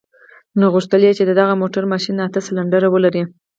نو غوښتل يې چې د دغه موټر ماشين اته سلنډرونه ولري.